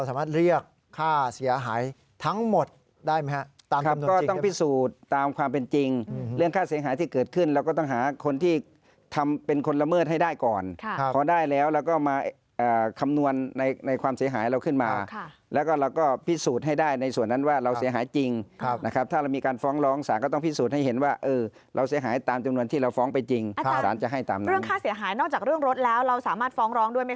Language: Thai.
สิทธิ์ที่เกิดขึ้นเราก็ต้องหาคนที่ทำเป็นคนละเมิดให้ได้ก่อนพอได้แล้วเราก็มาคำนวณในความเสียหายเราขึ้นมาแล้วก็พิสูจน์ให้ได้ในส่วนนั้นว่าเราเสียหายจริงนะครับถ้าเรามีการฟ้องร้องสารก็ต้องพิสูจน์ให้เห็นว่าเราเสียหายตามจำนวนที่เราฟ้องไปจริงอาจารย์จะให้ตามนั้นเรื่องค่าเสียหายนอกจากเรื่องรถแล้วเราสามา